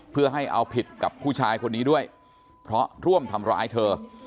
เพื่อให้เอาผิดกับผู้ชายคนนี้ด้วยเพราะร่วมทำร้ายเธอ